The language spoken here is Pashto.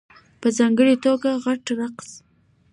په ځانګړې توګه ..خټک رقص..